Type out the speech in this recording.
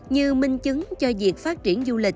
như minh chứng cho việc phát triển du lịch